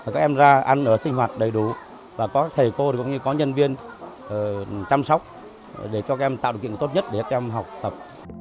các em ra ăn ở sinh hoạt đầy đủ và có thầy cô cũng như có nhân viên chăm sóc để cho các em tạo điều kiện tốt nhất để các em học tập